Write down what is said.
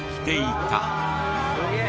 すげえ。